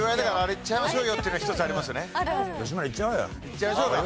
行っちゃいましょう。